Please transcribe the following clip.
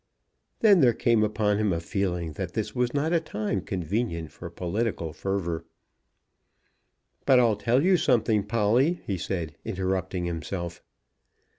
Then there came upon him a feeling that this was not a time convenient for political fervour. "But, I'll tell you something, Polly," he said, interrupting himself.